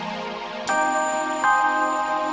selamat tinggal bayi